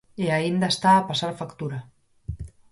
E aínda está a pasar factura.